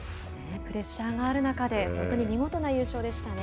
プレッシャーがある中で本当に見事な優勝でしたね。